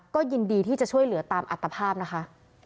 ก็ยินดีที่จะช่วยเหลือตามอัตภาพนะคะ